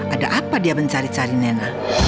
ada apa dia mencari cari nena